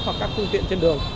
hoặc các phương tiện trên đường